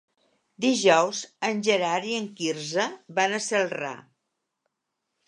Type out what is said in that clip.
Dijous en Gerard i en Quirze van a Celrà.